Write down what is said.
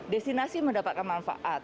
destinasi mendapatkan manfaat